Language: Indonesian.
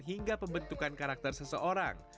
hingga pembentukan karakter seseorang